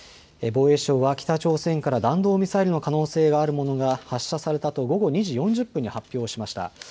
防衛省は北朝鮮から弾道ミサイルの可能性があるものが発射されたと午後２時４０分に発表しました。